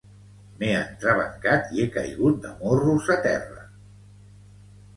M'he entrebancat i he caigut de morros a terra